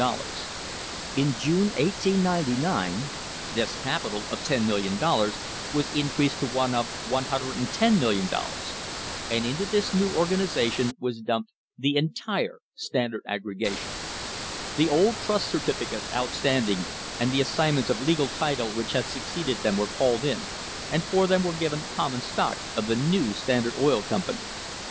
In June, 1899, this capital of $10,000,000 was increased to one of $i 10, 000,000, and into this new organisation was dumped the entire Standard aggregation. The old trust certificates outstanding and the assignments of legal title which had succeeded them were called in, and for them were given common stock of the new Standard Oil Company.